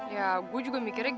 ya gue juga mikirnya